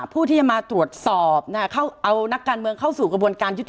ผู้ที่จะมาตรวจสอบเอานักการเมืองเข้าสู่กระบวนการยุติ